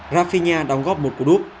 rafinha đóng góp một cụ đúc